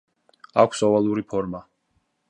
აქვს ოვალური ფორმა.